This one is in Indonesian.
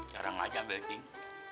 cara ngajak belcing